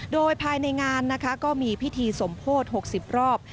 โดยภายในงานนะคะก็มีพิธีสมโพธิ๖๐รอบ